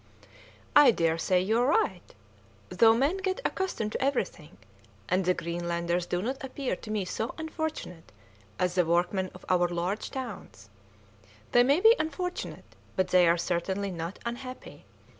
"I daresay you are right, though men get accustomed to everything, and the Greenlanders do not appear to me so unfortunate as the workmen of our large towns; they may be unfortunate, but they are certainly not unhappy.